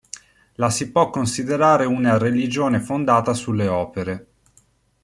La si può considerare una religione fondata sulle opere.